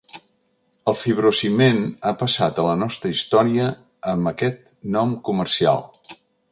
El fibrociment ha passat a la nostra història amb aquest nom comercial.